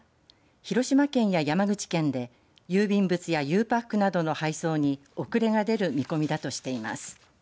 広島県や山口県で郵便物やゆうパックなどの配送に遅れが出る見込みだとしています。